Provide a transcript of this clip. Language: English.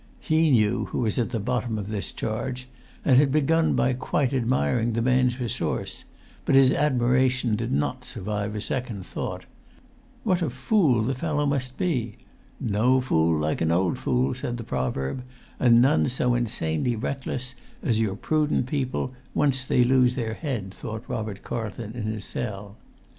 He knew who was at the bottom of this charge, and had begun by quite admiring the man's resource; but his admiration did not survive a second thought. What a fool the fellow must be! No fool like an old fool, said the proverb; and none so insanely reckless as your prudent people, once they lose their head, thought Robert Carlton in his cell.